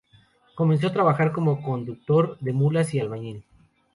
Comenzó a trabajar como conductor de mulas y albañil.